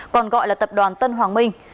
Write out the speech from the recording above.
còn gọi là tập đoàn tân hoàng minh